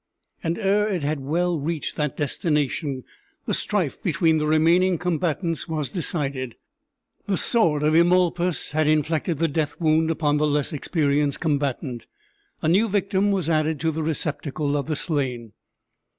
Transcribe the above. And ere it had well reached that destination the strife between the remaining combatants was decided. The sword of Eumolpus had inflicted the death wound upon the less experienced combatant. A new victim was added to the receptacle of the slain.